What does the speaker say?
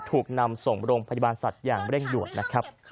ถูกนำส่งโรงพยาบาลสัตว์อย่างเร่งด่วนนะครับ